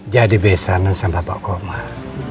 jadi besanan sama pak komar